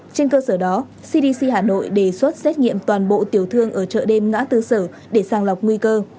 trên cơ sở đó cdc hà nội đề xuất xét nghiệm toàn bộ tiểu thương ở chợ đêm ngã tư sở để sàng lọc nguy cơ